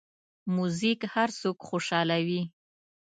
موزیک هر څوک خوشحالوي.